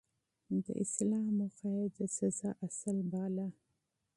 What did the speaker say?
د اصلاح موخه يې د سزا اصل باله.